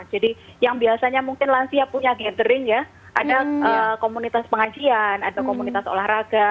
jadi yang biasanya mungkin lansia punya gathering ya ada komunitas pengajian ada komunitas olahraga